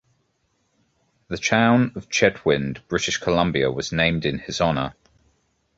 The town of Chetwynd, British Columbia was named in his honor.